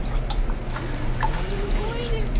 おぉすごいですね。